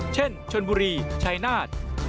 เช่นชนบุรีชายนาฏ